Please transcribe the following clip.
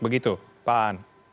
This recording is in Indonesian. begitu pak an